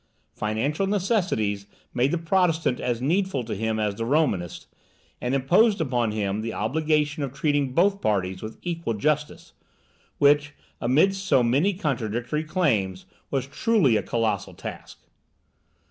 Financial necessities made the Protestant as needful to him as the Romanist, and imposed upon him the obligation of treating both parties with equal justice, which, amidst so many contradictory claims, was truly a colossal task.